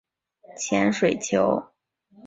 潜水球是一种内部有加压的。